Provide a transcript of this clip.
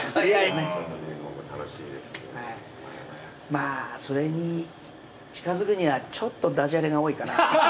まぁそれに近づくにはちょっと駄じゃれが多いかな。